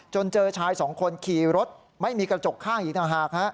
จนเจอชายสองคนขี่รถไม่มีกระจกข้างอีกนะฮะ